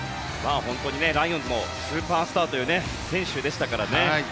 本当にライオンズもスーパースターという選手でしたからね。